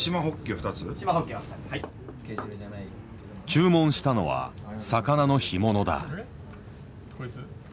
注文したのは魚の干物だ。